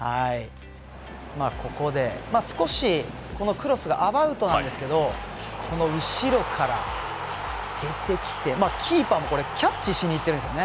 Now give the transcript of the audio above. ここで少し、このクロスがアバウトなんですけどこの後ろから出てきてキーパーもこれキャッチしにいっているんですよね。